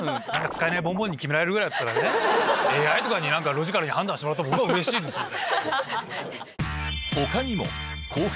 使えないボンボンに決められるぐらいだったらＡＩとかにロジカルに判断してもらったほうが僕はうれしいですよ。